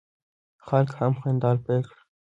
خلک هم خندا پیل کړه.